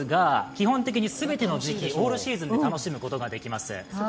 基本的に全ての時期、オールシーズンで楽しむことができます。